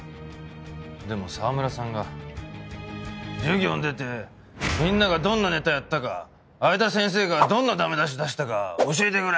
でも澤村さんが「授業に出てみんながどんなネタやったか相田先生がどんな駄目出し出したか教えてくれ！」